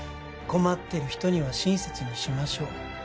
「困ってる人には親切にしましょう」